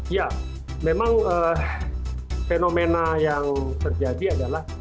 ya memang fenomena yang terjadi adalah